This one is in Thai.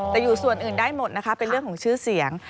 แต่อยู่ส่วนอื่นได้หมดนะคะเป็นเรื่องของชื่อเสียง